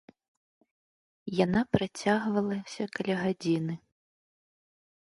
Яна працягвалася каля гадзіны.